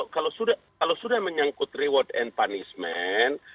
kalau sudah menyangkut reward and punishment